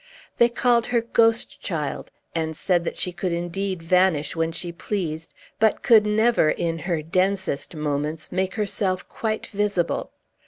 They called her ghost child, and said that she could indeed vanish when she pleased, but could never, in her densest moments, make herself quite visible.